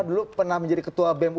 dulu pernah menjadi ketua bemu